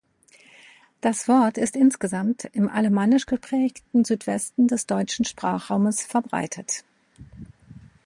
Das Wort ist insgesamt im alemannisch geprägten Südwesten des deutschen Sprachraumes verbreitet.